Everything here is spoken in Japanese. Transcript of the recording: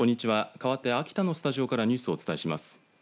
かわって秋田のスタジオからニュースをお伝えします。